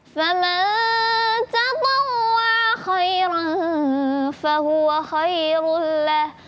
faman tatawaa khairan fahuwa khairun lah